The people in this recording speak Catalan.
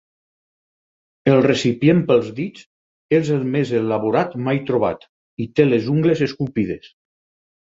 El recipient pels dits és el més elaborat mai trobat i té les ungles esculpides.